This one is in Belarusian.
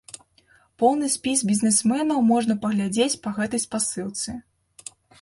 Поўны спіс бізнесменаў можна паглядзець па гэтай спасылцы.